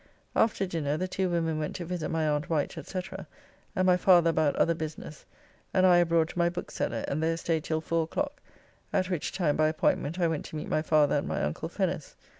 After dinner the two women went to visit my aunt Wight, &c., and my father about other business, and I abroad to my bookseller, and there staid till four o'clock, at which time by appointment I went to meet my father at my uncle Fenner's.